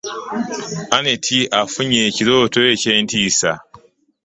Annet afunye ekirooto eky'entisa.